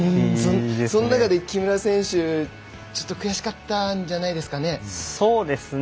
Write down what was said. その中で木村選手ちょっと悔しかったんじゃないですかね。